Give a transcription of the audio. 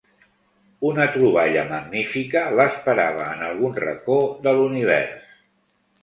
Una troballa magnífica l'esperava en algun racó de l'univers.